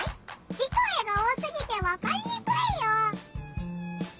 字と絵が多すぎてわかりにくいよ。